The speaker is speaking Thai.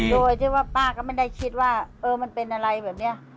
โดยที่ว่าป้าก็ไม่ได้คิดว่าเออมันเป็นอะไรแบบนี้